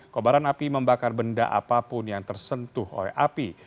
kobaran api membakar benda apapun yang tersentuh oleh api